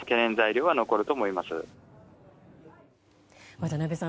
渡辺さん